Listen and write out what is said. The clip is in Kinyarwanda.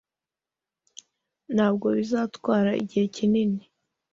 ntabwo bizatwara igihe kinini